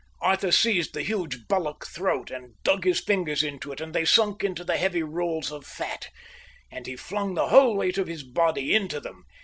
Arthur seized the huge bullock throat and dug his fingers into it, and they sunk into the heavy rolls of fat; and he flung the whole weight of his body into them.